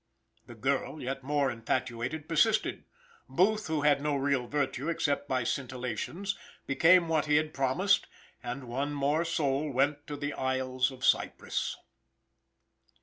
The girl, yet more infatuated, persisted. Booth, who had no real virtue except by scintillations, became what he had promised, and one more soul went to the isles of Cyprus.